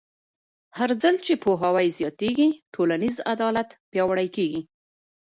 هرځل چې پوهاوی زیاتېږي، ټولنیز عدالت پیاوړی کېږي.